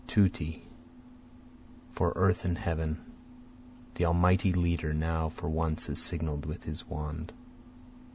Tutti! for earth and heaven; (The Almighty leader now for once has signal'd with his wand.)